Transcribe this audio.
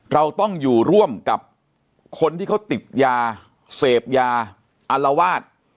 เราต้องอยู่ร่วมกับคนที่เขาติดยาเสพยาอัลวาส